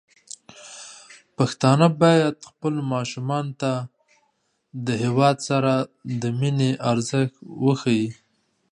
پښتانه بايد خپل ماشومان ته د هيواد سره د مينې ارزښت وښيي.